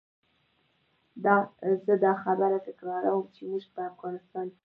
زه دا خبره تکراروم چې موږ په افغانستان کې.